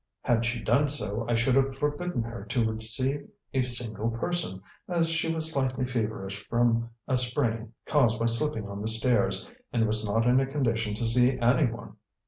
Had she done so, I should have forbidden her to receive a single person, as she was slightly feverish from a sprain caused by slipping on the stairs, and was not in a condition to see anyone.